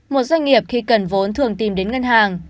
một doanh nghiệp khi cần vốn thường tìm đến ngân hàng